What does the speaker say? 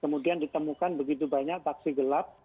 kemudian ditemukan begitu banyak taksi gelap